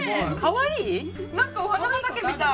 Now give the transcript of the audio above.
なんかお花畑みたい！